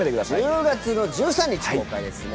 １０月１３日公開ですね。